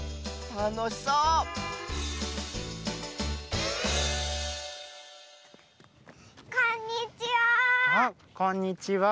たのしそうこんにちは！